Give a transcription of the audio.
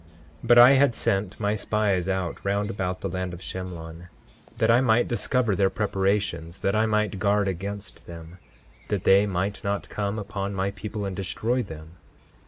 10:7 But I had sent my spies out round about the land of Shemlon, that I might discover their preparations, that I might guard against them, that they might not come upon my people and destroy them.